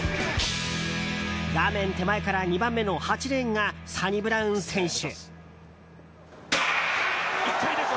画面手前から２番目の８レーンがサニブラウン選手。